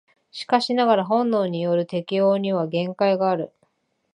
しかしながら本能による適応には限界がある。